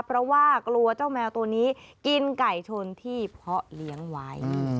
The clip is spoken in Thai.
เพราะว่ากลัวเจ้าแมวตัวนี้กินไก่ชนที่เพาะเลี้ยงไว้